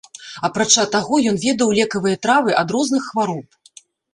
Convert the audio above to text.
Апрача таго, ён ведаў лекавыя травы ад розных хвароб.